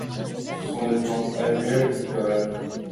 Ce sont des plantes annuelles ou pérennes.